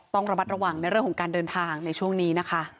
ต้องระบัดระหว่างในเรื่องของการเดินทางช่วงนี้